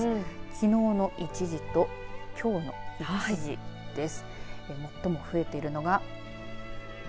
きのうの１時ときょうの１時です。